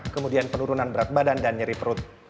kemudian penurunan berat badan dan nyeri perut